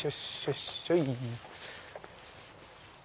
っしょい。